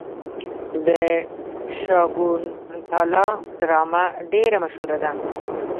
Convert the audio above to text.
د شاکونتالا ډرامه ډیره مشهوره ده.